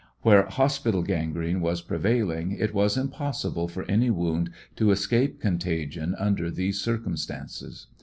Where hospital gan grene was prevailing, it was impossible for any wound to escape contagion under these circumstances.